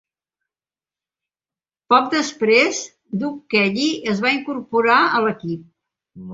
Poc després, Doug Kelly es va incorporar a l'equip.